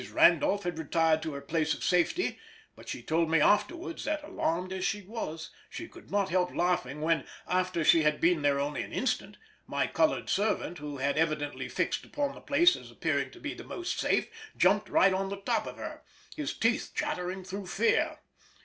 Randolph had retired to her place of safety, but she told me afterwards that, alarmed as she was, she could not help laughing when, after she had been there only an instant, my coloured servant, who had evidently fixed upon the place as appearing to be the most safe, jumped right on the top of her, his teeth chattering through fear.